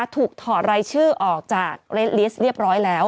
ถอดรายชื่อออกจากเลสลิสต์เรียบร้อยแล้ว